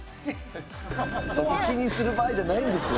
そこ気にする場合じゃないんですよ。